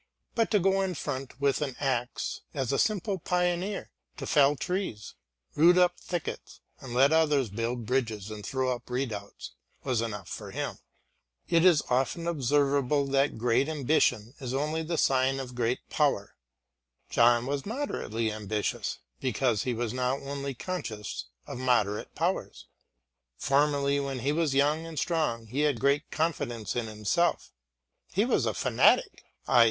But to go in front with an axe as a simple pioneer, to fell trees, root up thickets, and let others build bridges and throw up redoubts, was enough for him. It is often observable that great ambition is only the sign of great power. John was moderately ambitious, because he was now only conscious of moderate powers. Formerly when he was young and strong he had great confidence in himself. He was a fanatic, _i.